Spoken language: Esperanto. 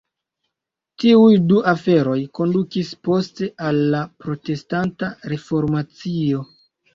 Tiuj du aferoj kondukis poste al la Protestanta Reformacio.